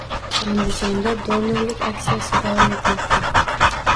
Andijonda donorlik aksiyasi davom etmoqda